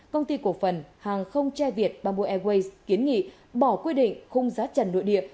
công ty cổ phần hàng không che việt bamboo airways kiến nghị bỏ quy định khung giá trần nội điệp